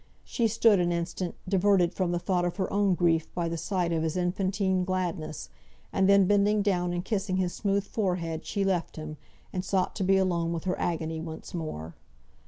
She stood an instant, diverted from the thought of her own grief by the sight of his infantine gladness; and then bending down and kissing his smooth forehead, she left him, and sought to be alone with her agony once more.